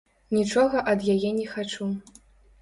Нічога ад яе не хачу.